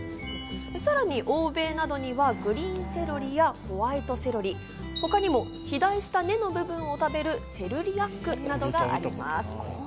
さらに欧米などにはグリーンセロリやホワイトセロリ、他にも肥大した根の部分を食べるセルリアックなどがあります。